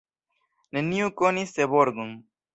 Neniu konis Seborgon.